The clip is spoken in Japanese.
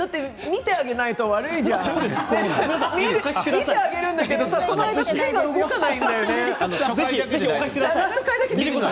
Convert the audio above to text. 見てあげるんだけどその間に腕が動かないんだよね。